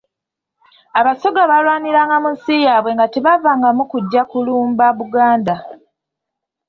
Abasoga baalwaniranga mu nsi yaabwe nga tebavaamu kujja kulumba Buganda.